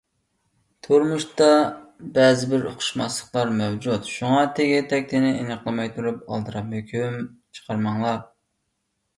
تۇرمۇشتا بەزىبىر ئۇقۇشماسلىقلار مەۋجۇت، شۇڭا تېگى-تەكتىنى ئېنىقلىماي تۇرۇپ ئالدىراپ ھۆكۈم چىقارماڭلار.